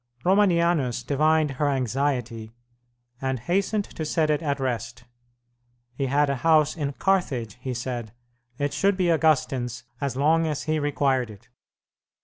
Romanianus divined her anxiety, and hastened to set it at rest. He had a house in Carthage, he said; it should be Augustine's as long as he required it.